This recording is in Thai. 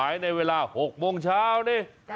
ขายในเวลา๖โมงเช้าเนี่ย